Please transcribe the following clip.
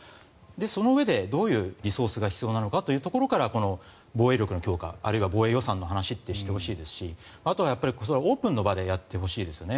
そのうえでどういうリソースが必要なのかというところから防衛力の強化あるいは防衛予算の話をしてほしいですしあとは、それはオープンの場でやってほしいですよね。